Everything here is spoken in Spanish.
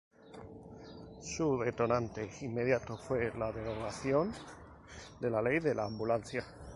Su detonante inmediato fue la derogación de la Ley de la Ambulancia.